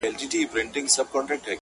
o د ډول ږغ د ليري ښه خوند کوي!